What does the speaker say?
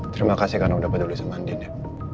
terima kasih karena udah peduli sama andin ya